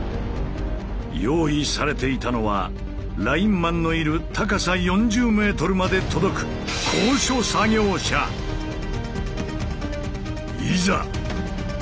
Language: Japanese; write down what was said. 用意されていたのはラインマンのいる高さ４０ｍまで届くいざ！